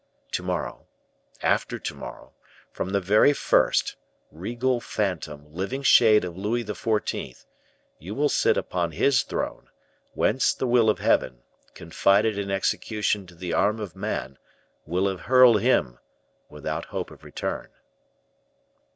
To morrow, after to morrow from the very first, regal phantom, living shade of Louis XIV., you will sit upon his throne, whence the will of Heaven, confided in execution to the arm of man, will have hurled him, without hope of return."